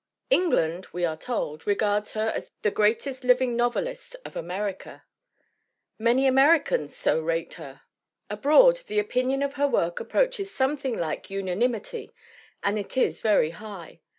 England, we are told, regards her as the greatest living novelist of America. Many Americans so rate her. Abroad, the opinion of her work approaches something like unanimity and it is very high.